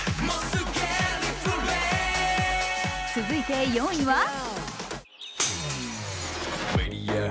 続いて４位は？